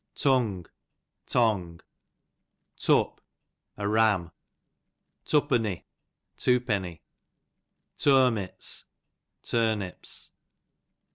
Tung, tongue. Tup, a ram. Tupunny, tim pemty. Turmits, turnips.